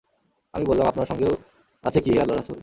আমি বললাম, আপনার সঙ্গেও আছে কি, হে আল্লাহর রাসূল?